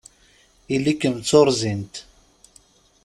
Ili-kem d tuṛẓint!